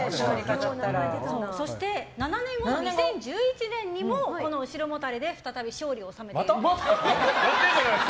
そして７年後の２０１１年にも後ろもたれで再び勝利を収めているんです。